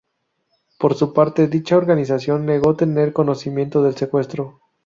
Por su parte, dicha organización negó tener conocimiento del secuestro.